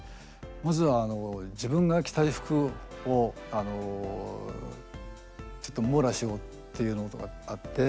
まずは自分が着たい服をあのちょっと網羅しようっていうのとかあって。